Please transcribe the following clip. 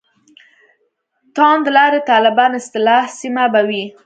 «توندلاري طالبان» اصطلاح سمه به وي.